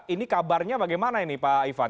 ini kabarnya bagaimana ini pak ivan